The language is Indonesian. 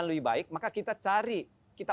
lebih baik maka kita cari kita